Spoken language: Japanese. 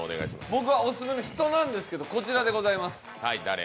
僕がオススメの人なんですけど、こちらでございます。